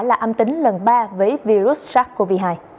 là âm tính lần ba với virus sars cov hai